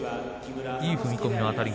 いい踏み込みのあたり